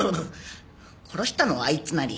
殺したのはあいつなり。